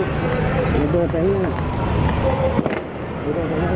สวัสดีครับ